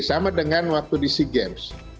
sama dengan waktu di sea games